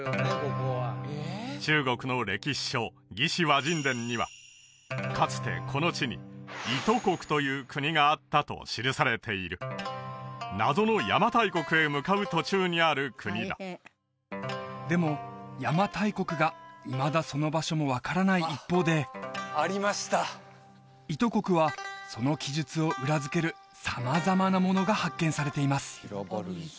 中国の歴史書「魏志倭人伝」にはかつてこの地に伊都国という国があったと記されている謎の邪馬台国へ向かう途中にある国だでも邪馬台国がいまだその場所も分からない一方でありました伊都国はその記述を裏付ける様々なものが発見されています